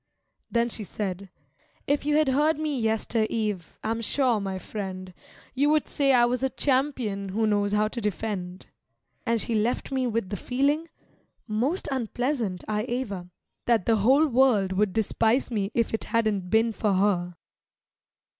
Then she said, "If you had heard me yester eve, I'm sure, my friend, You would say I was a champion who knows how to defend." And she left me with the feeling most unpleasant, I aver That the whole world would despise me if it hadn't been for her.